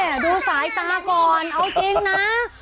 ดูสายตาก่อนเอาจริงนะ